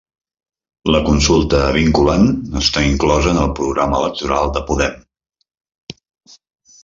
La consulta vinculant està inclosa en el programa electoral de Podem